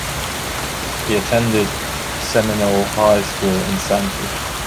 He attended Seminole High School in Sanford.